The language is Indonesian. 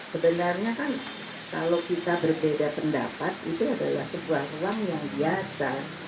sebenarnya kan kalau kita berbeda pendapat itu adalah sebuah ruang yang biasa